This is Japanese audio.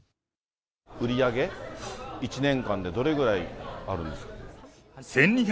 売り上げ、１年間でどれぐらいあるんですか？